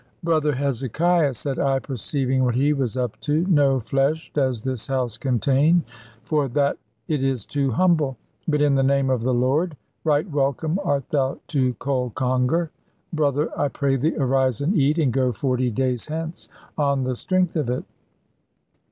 "Brother Hezekiah," said I, perceiving what he was up to: "no flesh does this house contain; for that it is too humble. But in the name of the Lord, right welcome art thou to cold conger! Brother, I pray thee, arise and eat; and go forty days hence on the strength of it."